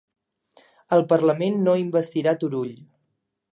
El Parlament no investirà Turull